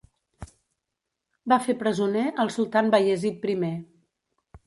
Va fer presoner el Sultan Bayezid I.